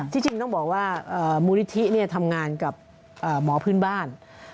ที่จริงต้องบอกว่ามูลนิธิทำงานกับหมอพื้นบ้าน